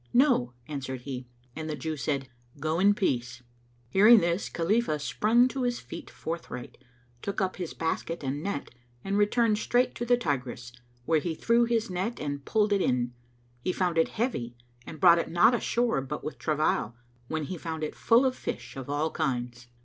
"No," answered he, and the Jew said, "Go in peace!" Hearing this Khalifah sprung to his feet forthright; took up his basket and net and returned straight to the Tigris, where he threw his net and pulled it in. He found it heavy and brought it not ashore but with travail, when he found it full of fish of all kinds.